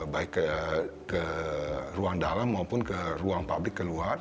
baik ke ruang dalam maupun ke ruang publik keluar